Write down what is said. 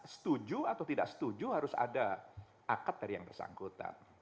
setuju atau tidak setuju harus ada akad dari yang bersangkutan